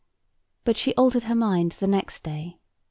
But she altered her mind the next day.